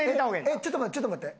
えっちょっと待って。